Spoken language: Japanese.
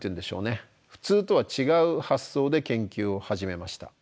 普通とは違う発想で研究を始めました。